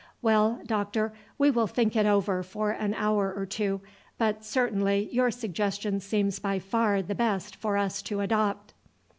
Well, doctor, we will think it over for an hour or two, but certainly your suggestion seems by far the best for us to adopt."